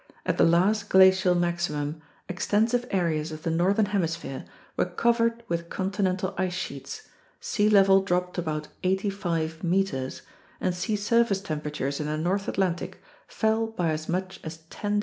At the last glacial maxi mum, extensive areas of the northern hemisphere were covered with continental ice sheets, sea level dropped about 85 m, and sea surface temperatures in the North Atlantic fell by as much as 10°C.